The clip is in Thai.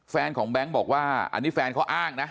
แฟนของแบงค์บอกว่าอันนี้แฟนเขาอ้างนะ